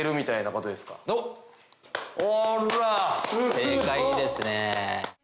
正解ですね。